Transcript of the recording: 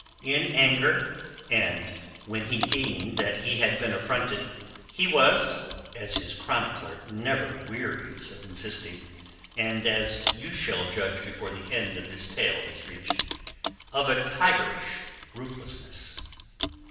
In anger, and when he deemed that he had been affronted, he was—as his chronicler never wearies of insisting, and as you shall judge before the end of this tale is reached—of a tigerish ruthlessness.